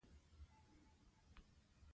افغانستان د دځنګل حاصلات له پلوه متنوع دی.